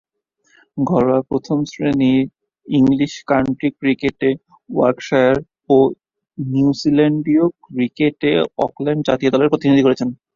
ঘরোয়া প্রথম-শ্রেণীর ইংরেজ কাউন্টি ক্রিকেটে ইয়র্কশায়ার ও নিউজিল্যান্ডীয় ক্রিকেটে অকল্যান্ড দলের প্রতিনিধিত্ব করেন।